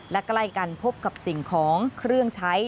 และใกล้กันพบกับสิ่งของเครื่องใช้